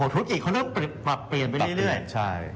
ธุรกิจเขาเริ่มปรับเปลี่ยนไปเรื่อย